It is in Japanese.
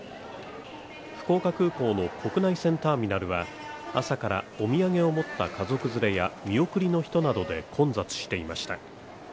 福岡空港の国内線ターミナルは、朝からお土産を持った家族連れや見送りの人で混雑していました。